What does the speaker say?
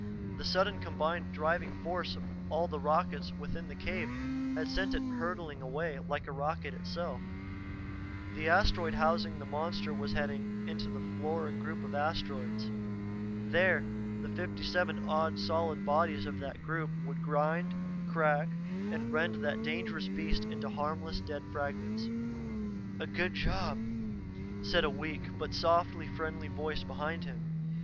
The sudden combined driving force of all the rockets within the cave had sent it hurtling away like a rocket itself. The asteroid housing the monster was heading into the Flora group of Asteroids. There the fifty seven odd solid bodies of that group would grind, crack, and rend that dangerous beast into harmless, dead fragments. "A good job," said a weak, but softly friendly voice behind him.